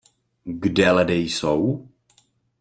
Kde ledy jsou?